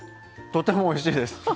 とてもおいしいです。